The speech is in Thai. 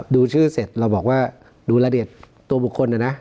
ดูชื่อเสร็จเราบอกว่าดูตัวบุคคล